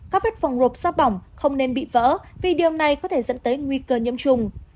các vết phòng hộp xa bỏng không nên bị vỡ vì điều này có thể dẫn tới nguy cơ nhiễm trùng